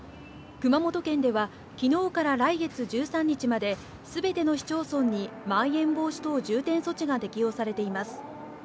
熊本県ではきのうから来月１３日まで、すべての市町村に、まん延防止等重点措置が適用されています。